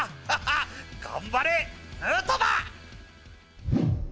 頑張れ、ヌートバー！